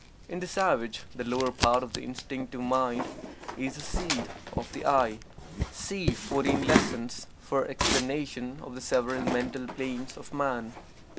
In the savage the lower part of the Instinctive Mind is the seat of the "I." (See "Fourteen Lessons" for explanation of the several mental planes of man.)